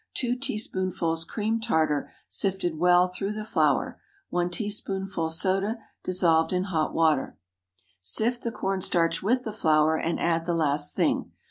2 teaspoonfuls cream tartar, sifted well through the flour. 1 teaspoonful soda, dissolved in hot water. Sift the corn starch with the flour, and add the last thing.